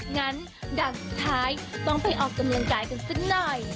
งั้นด่านสุดท้ายต้องไปออกกำลังกายกันสักหน่อย